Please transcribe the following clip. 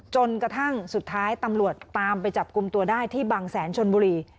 จนกระทั่งสุดท้ายตำรวจตามไปจับกลุ่มตัวได้ที่บางแสนชนบุรี